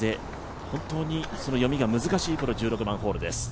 本当に読みが難しいこの１６番ホールです。